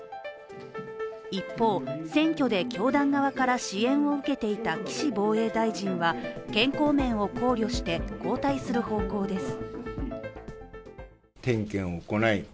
一方、選挙で教団側から支援を受けていた岸防衛大臣は健康面を考慮して交代する方向です。